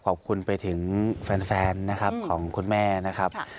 ขอบคุณไปถึงแฟนของคุณแม่นะครับ